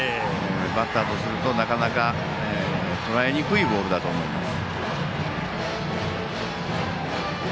バッターとすると、なかなかとらえにくいボールだと思います。